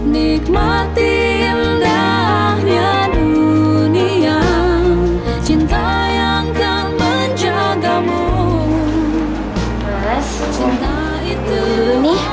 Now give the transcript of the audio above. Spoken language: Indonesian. mas tunggu dulu nih